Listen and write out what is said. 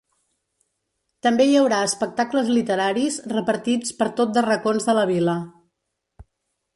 També hi haurà espectacles literaris repartits per tot de racons de la vila.